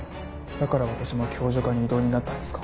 だから私も共助課に異動になったんですか？